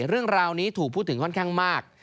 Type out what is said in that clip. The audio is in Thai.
เรื่องราวนี้ถูกพูดถึงค่อนข้างมาก